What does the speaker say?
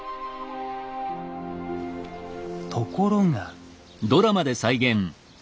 ところが。